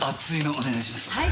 熱いのお願いします。